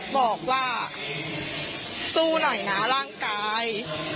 บอกว่าสู้หน่อยนะร่างกาย